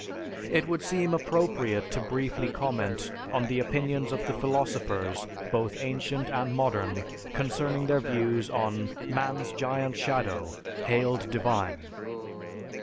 It would seem appropriate to briefly comment on the opinions of the philosophers, both ancient and modern, concerning their views on "man's giant shadow, hailed divine."